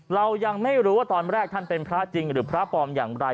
เรายังไม่รู้ว่าตอนแรกท่านเป็นพระจริงหรือพระปลอมอย่างไร